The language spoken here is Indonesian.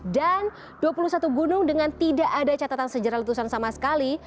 dan dua puluh satu gunung dengan tidak ada catatan sejarah letusan sama sekali